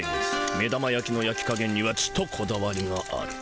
目玉やきのやきかげんにはちとこだわりがある。